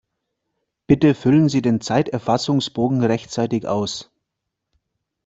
Bitte füllen Sie den Zeiterfassungsbogen rechtzeitig aus!